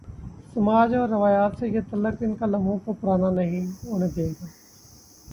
سماج اور روایت سے یہ تعلق ان کالموں کوپرانا نہیں ہونے دے گا۔